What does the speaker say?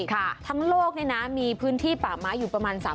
ทั้งโลกเนี่ยนะมีพื้นที่ป่าไม้อยู่ประมาณ๓๐๐